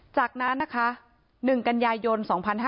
จากนั้นนะคะ๑กันยายน๒๕๕๙